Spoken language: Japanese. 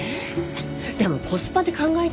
でもコスパで考えてみてよ。